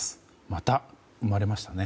また生まれましたね。